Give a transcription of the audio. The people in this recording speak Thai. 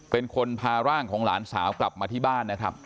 เป็นคนพาร่างของหลานสาวกลับมาที่บ้านนะครับ